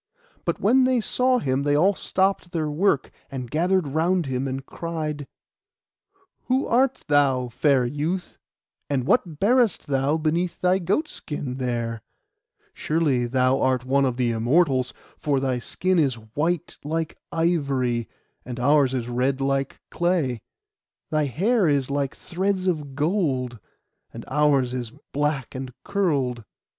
But when they saw him they all stopped their work, and gathered round him, and cried— 'Who art thou, fair youth? and what bearest thou beneath thy goat skin there? Surely thou art one of the Immortals; for thy skin is white like ivory, and ours is red like clay. Thy hair is like threads of gold, and ours is black and curled.